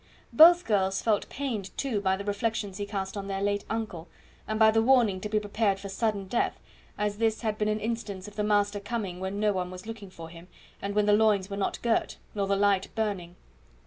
Both girls felt pained, too, by the reflections he cast on their late uncle, and by the warning to be prepared for sudden death, as this had been an instance of the Master coming when no one was looking for Him, and when the loins were not girt, nor the light burning.